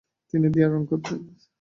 তিনি দেয়াল রঙ করতেন।